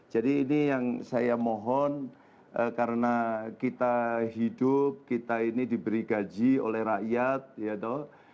jadi ini yang saya mohon karena kita hidup kita ini diberi gaji oleh rakyat ya toh